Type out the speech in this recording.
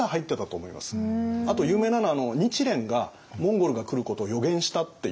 あと有名なのは日蓮がモンゴルが来ることを予言したっていう。